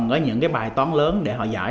thì đó là những bài toán lớn để họ giải